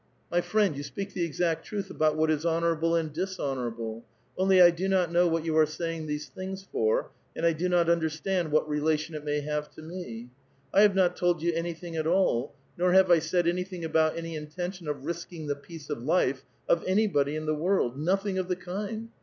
" My friend, you speak the exact truth about what is hon orable and dishonorable ; only I do not know what you are savin": these thin2:s for, and I do not understand what rela tion it may have to me. I have not told you anything at all, nor have I said anything about any intention of risking the peace of life of anybody in the world ! nothing of the kind